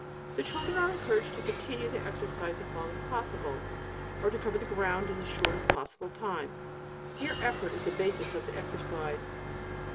The children are encouraged to continue the exercise as long as possible; or to cover the ground in the shortest possible time; here effort is the basis of the exercise.